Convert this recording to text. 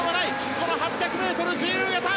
この８００ｍ自由形。